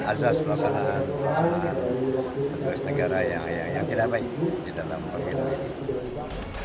azas pelaksanaan pelaksanaan tugas negara yang tidak baik di dalam pemilu